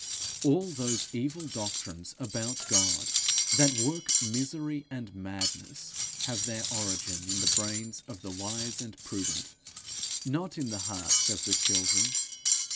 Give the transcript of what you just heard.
All those evil doctrines about God that work misery and madness, have their origin in the brains of the wise and prudent, not in the hearts of the children.